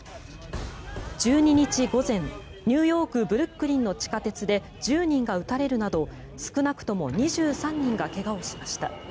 １２日午前、ニューヨーク・ブルックリンの地下鉄で１０人が撃たれるなど少なくとも２３人が怪我をしました。